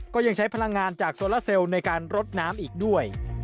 ก็ยังใช้พลังงานจากโซลาเซลในการรดน้ำอีกด้วย